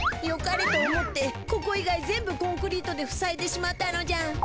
よかれと思ってここいがい全部コンクリートでふさいでしまったのじゃ。